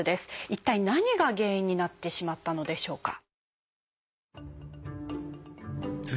一体何が原因になってしまったのでしょうか？